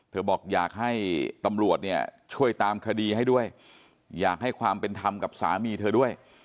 บอกอยากให้ตำรวจเนี่ยช่วยตามคดีให้ด้วยอยากให้ความเป็นธรรมกับสามีเธอด้วย